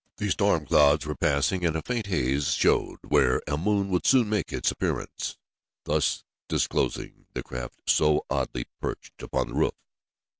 The storm clouds were passing and a faint haze showed where a moon would soon make its appearance, thus disclosing the craft so oddly perched upon the roof.